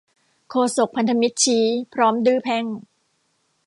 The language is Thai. โฆษกพันธมิตรชี้ พร้อมดื้อแพ่ง